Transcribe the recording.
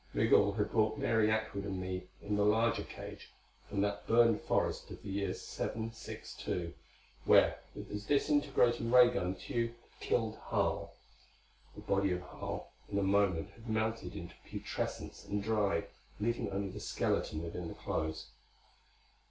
Migul had brought Mary Atwood and me in the larger cage, from that burned forest of the year 762, where with the disintegrating ray gun Tugh had killed Harl. The body of Harl in a moment had melted into putrescence, and dried, leaving only the skeleton within the clothes.